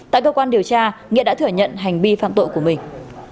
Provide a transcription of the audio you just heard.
tại cơ quan điều tra nghĩa đã thừa nhận hành vi phạm tội của mình